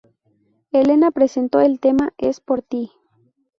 Elena presentó el tema "Es por ti".